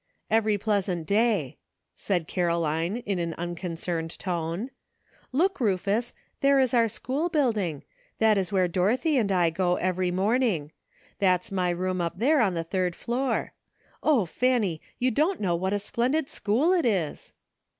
"Every pleasant day," said Caroline, in an unconcerned tone. "Look, Ruf us ! there is our school building ; that is where Dorothy and I go every morning. That's my room up there on the third floor. O, Fanny ! you don't know what a splendid school it is."